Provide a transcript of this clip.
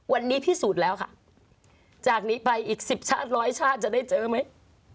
วันนี้พิสูจน์แล้วค่ะจากนี้ไปอีกสิบชาติร้อยชาติจะได้เจอไหม